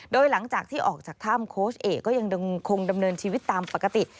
โดยหลังจากที่ออกจากถ้ำโค้ชเอกก็ยังคงดำเนินชีวิตตามปกติ